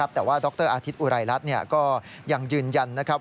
แต่ว่าดรอาทิตย์อุไรรัฐก็ยังยืนยันนะครับ